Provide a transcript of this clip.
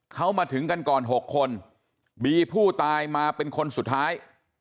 เขามาถึงกันก่อน๖คนบีผู้ตายมาเป็นคนสุดท้าย